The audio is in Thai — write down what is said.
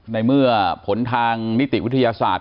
ในเมื่อผลทางนิติวิทยาศาสตร์